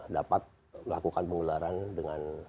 dapat melakukan pengeluaran dengan